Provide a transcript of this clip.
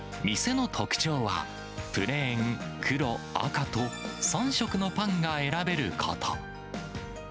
店の特徴は、プレーン、黒、赤と、３色のパンが選べること。